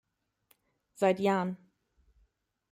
Seit Jan.